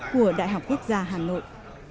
của đại học quốc gia hà nội